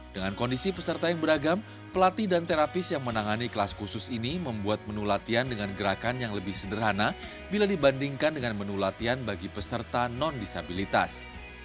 dengan kondisi peserta yang beragam pelatih dan terapis yang menangani kelas khusus ini membuat menu latihan dengan gerakan yang lebih sederhana bila dibandingkan dengan menu latihan bagi peserta non disabilitas